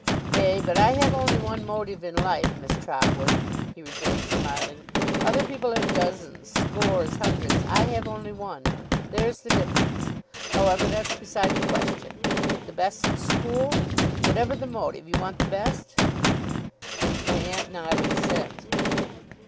'Ay, but I have only one motive in life, Miss Trotwood,' he rejoined, smiling. 'Other people have dozens, scores, hundreds. I have only one. There's the difference. However, that's beside the question. The best school? Whatever the motive, you want the best?' My aunt nodded assent.